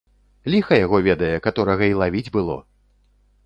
Ліха яго ведае, каторага й лавіць было!